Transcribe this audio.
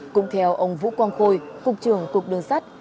cũng theo ông vũ quang khôi cục trưởng cục đường sắt